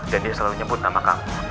dan dia selalu nyebut nama kamu